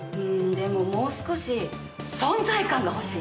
でももう少し存在感が欲しい。